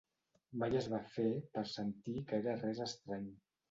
Mai es va fer per sentir que era res estrany.